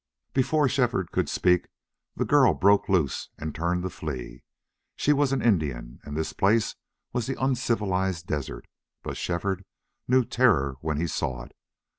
Before Shefford could speak the girl broke loose and turned to flee. She was an Indian and this place was the uncivilized desert, but Shefford knew terror when he saw it.